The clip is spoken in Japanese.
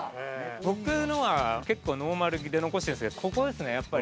僕のは結構ノーマルで残してるんですけどここですねやっぱり。